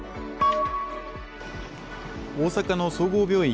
大阪の総合病院